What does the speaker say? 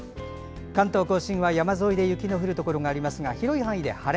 関東・甲信は、山沿いで雪の降るところがありますが広い範囲で晴れ。